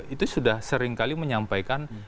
itu sudah seringkali menyampaikan